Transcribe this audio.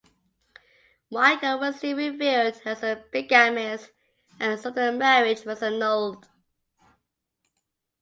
Michael was soon revealed as a bigamist and so the marriage was annulled.